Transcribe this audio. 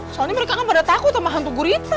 soalnya mereka kan pada takut sama hantu gurita